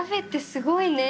すごいね。